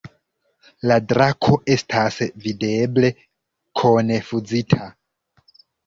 La drako estas videble konfuzita.